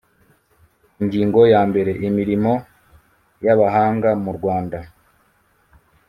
ingingo ya mbere imirimo y abahanga mu rwanda